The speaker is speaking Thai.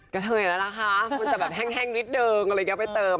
กระเทยแล้วล่ะคะมันจะแบบแห้งนิดนึงอะไรอย่างนี้ไปเติม